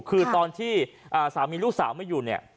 คือตอนที่สามีลูกสาวไม่อยู่เนี่ย